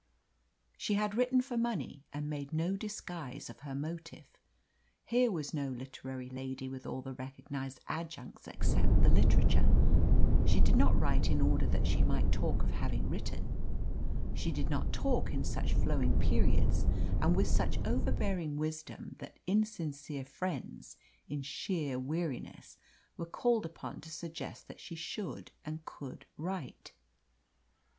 She had written for money, and made no disguise of her motive. Here was no literary lady with all the recognised adjuncts except the literature. She did not write in order that she might talk of having written. She did not talk in such flowing periods and with such overbearing wisdom that insincere friends in sheer weariness were called upon to suggest that she should and could write.